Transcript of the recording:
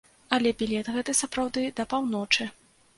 Але білет гэты сапраўдны да паўночы.